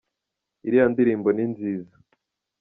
iriya ndirimbo ni nziza.